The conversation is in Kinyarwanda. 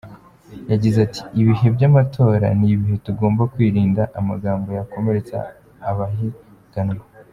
Yagize ati “Ibihe by’amatora ni ibihe tugomba kwirinda amagambo yakomeretsa abahiganwa.